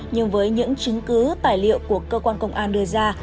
nhưng với những chứng cứ tài liệu của cơ quan công an đưa ra